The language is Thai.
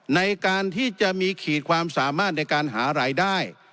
ในการที่จะมีขีดความสามารถในการหารายได้